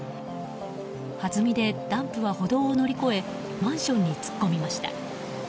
はずみでダンプは歩道を乗り越えマンションに突っ込みました。